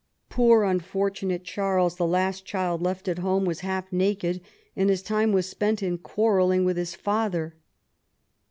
Poor unfortunate Charles, the last child left at home, was half naked, and his time was spent in quarrelling with his father.